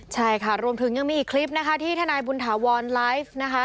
ใช่ค่ะรวมถึงยังมีอีกคลิปที่ทำนายบุญถาวร์นไลฟ์